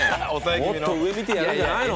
もっと上見てやるんじゃないの？